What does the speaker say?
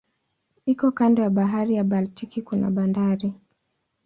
Iko kando ya bahari ya Baltiki kuna bandari.